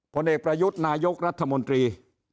ผลเอกประยุทธ์นายกรัฐมนตรี